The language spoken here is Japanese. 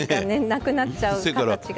なくなっちゃう形が。